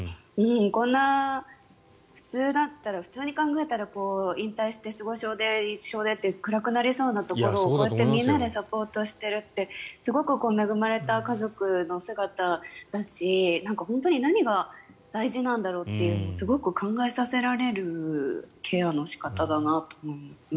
こんな普通に考えたら引退して失語症で認知症でって暗くなりそうなところをみんなでサポートしているってすごく恵まれた家族の姿だし本当に何が大事なんだろうってすごく考えさせられるケアの仕方だなと思います。